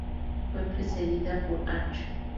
Fue precedida por "Arch.